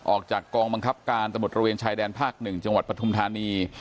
ออกจากกองบังคับการตำรวจระเวนชายแดนภาค๑จังหวัดปฐุมธานี